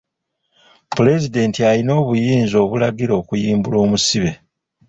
Pulezidenti alina obuyinza obulagira okuyimbula omusibe.